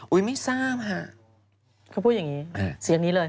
ไม่ทราบค่ะเขาพูดอย่างนี้เสียงนี้เลย